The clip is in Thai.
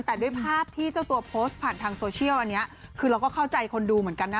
แต่ด้วยภาพที่เจ้าตัวโพสต์ผ่านทางโซเชียลอันนี้คือเราก็เข้าใจคนดูเหมือนกันนะ